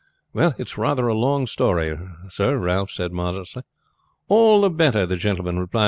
"Well, it is rather a long story, sir," Ralph said modestly. "All the better," the gentleman replied.